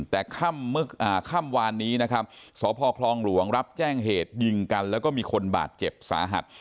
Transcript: แต่ค่ำวานนี้นะครับสพคลองหลวงรับแจ้งเหตุยิงกันแล้วก็มีคนบาดเจ็บสาหัส